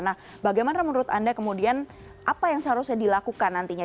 nah bagaimana menurut anda kemudian apa yang seharusnya dilakukan nantinya